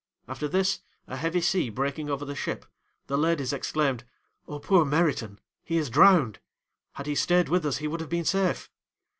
After this, a heavy sea breaking over the ship, the ladies exclaimed, "Oh, poor Meriton! he is drowned; had he stayed with us he would have been safe!"